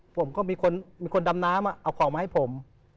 ผมก็มีคนดำน้ำเอาของมาให้ผม